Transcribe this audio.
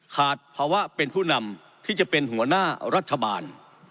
ขาดภาวะเป็นผู้นำที่จะเป็นหัวหน้ารัฐบาล